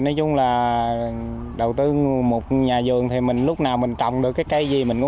nói chung là đầu tư một nhà vườn thì lúc nào mình trồng được cái cây gì